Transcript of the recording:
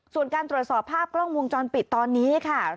ส่วนการตรวจสอบภาพกล้องวงจรปิดตอนนี้ค่ะ